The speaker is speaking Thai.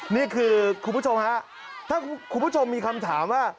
นี่คือคุณผู้ชมฮะถ้าคุณผู้ชมมีคำถามว่า